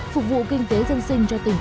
phục vụ kinh tế dân sinh cho tỉnh